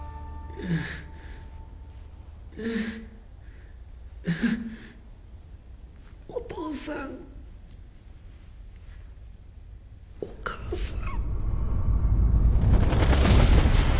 ううっお父さんお母さん